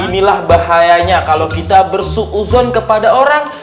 inilah bahayanya kalo kita bersukuzon kepada orang